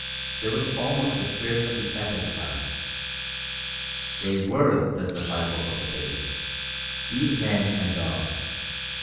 There was almost the spirit of the epic about it. They were the survival of the fittest these men and dogs.